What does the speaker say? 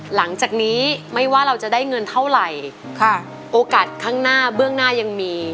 หลังจากนี้ไม่ว่าเราจะได้เงินเท่าไหร่ค่ะโอกาสข้างหน้าเบื้องหน้ายังมี